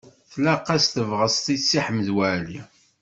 Tlaq-as tebɣest i Si Ḥmed Waɛli.